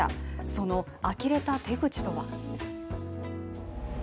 そのあきれた手口とは。